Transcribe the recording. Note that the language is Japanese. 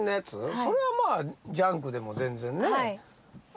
それはまあ『ジャンク』でも全然ね。